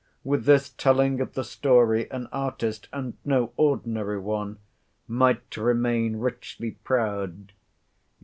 With this telling of the story an artist, and no ordinary one, might remain richly proud.